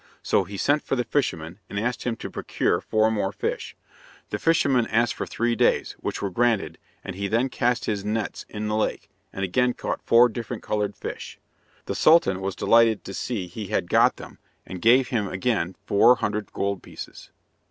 So he sent for the fisherman, and asked him to procure four more fish. The fisherman asked for three days, which were granted, and he then cast his nets in the lake, and again caught four different coloured fish. The sultan was delighted to see he had got them, and gave him again four hundred gold pieces.